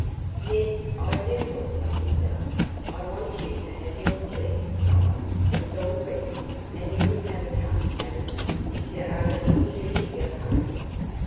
"Yes, I do want something done. I want you t' have your tea, child; it's all ready—and you'll have a cup, Adam, if y' arena in too big a hurry."